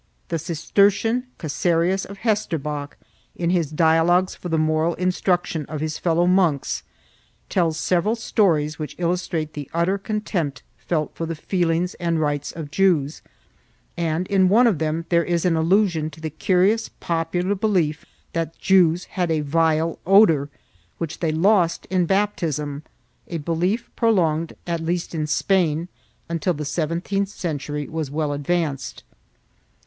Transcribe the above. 1 The Cistercian Csesarius of Heisterbach, in his dialogues for the moral instruction of his fellow monks, tells several stories which illustrate the utter contempt felt for the feelings and rights of Jews, and in one of them there is an allusion to the curious popular belief that the Jews had a vile odor, which they lost in baptism — a belief pro longed, at least in Spain, until the seventeenth century was well advanced.